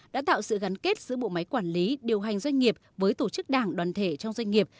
đã tạo sự gắn kết giữa bộ máy quản lý điều hành doanh nghiệp với tổ chức đảng đoàn thể trong doanh nghiệp